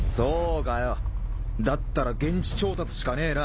修Δだったら現地調達しかねえな。